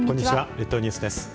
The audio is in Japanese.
列島ニュースです。